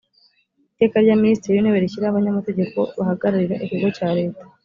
iteka rya minisitiri w intebe rishyiraho abanyamategeko bahagarira ikigo cya leta